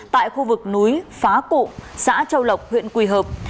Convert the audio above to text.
tại khu vực núi phá cụ xã châu lộc huyện quỳ hợp